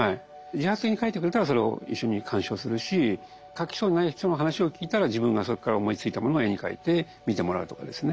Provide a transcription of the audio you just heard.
自発的に描いてくれたらそれを一緒に鑑賞するし描きそうにない人の話を聞いたら自分がそこから思いついたものを絵に描いて見てもらうとかですね